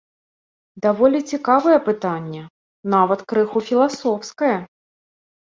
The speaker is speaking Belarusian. Даволі цікавае пытанне, нават крыху філасофскае.